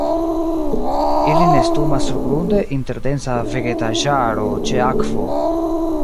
Ili nestumas surgrunde inter densa vegetaĵaro ĉe akvo.